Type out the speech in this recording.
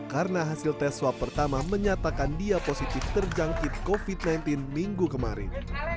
karena hasil tes swab pertama menyatakan dia positif terjangkit covid sembilan belas minggu kemarin